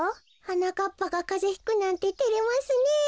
はなかっぱがカゼひくなんててれますねえ。